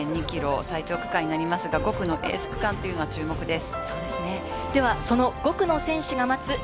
特に９．２ｋｍ、最長区間になりますが５区のエース区間は注目です。